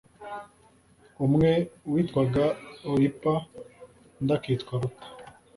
umwe yitwaga oripa, undi akitwa ruta